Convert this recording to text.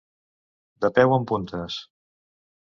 De peu en puntes.